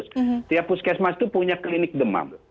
setiap puskesmas itu punya klinik demam